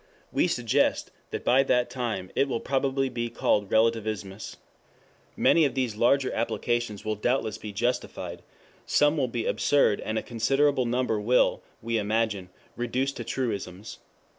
We suggest that, by that time, it will probably be called Relativismus. Many of these larger applications will doubtless be justified; some will be absurd and a considerable number will, we imagine, reduce to truisms.